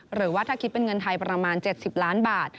หรือว่าถ้าคิดเป็นเงินไทยประมาณ๗๐ล้านบาท